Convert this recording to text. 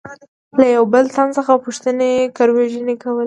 له یوه بل تن څخه پوښتنې ګروېږنې کول.